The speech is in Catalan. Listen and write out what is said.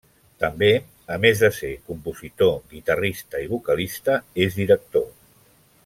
També, a més de ser compositor, guitarrista i vocalista, és director.